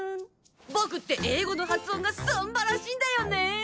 僕って英語の発音がすんばらしいんだよねぇ。